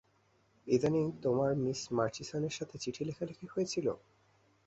ইদানিং তোমার মিসেস মার্চিসনের সাথে চিঠি লেখালিখি হয়েছিলো?